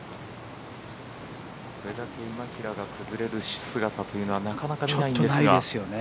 これだけ今平が崩れる姿というのはなかなか見ないんですが。